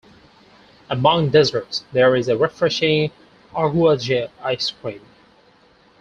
Among desserts there is a refreshing "aguaje" ice cream.